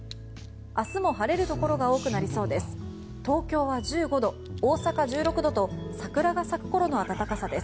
明日も晴れるところが多くなりそうです。